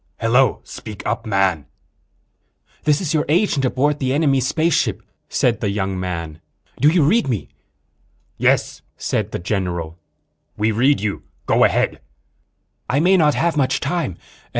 "Hello. Speak up, man." "This is your agent aboard the enemy spaceship," said the young man. "Do you read me?" "Yes," said the general. "We read you. Go ahead." "I may not have much time.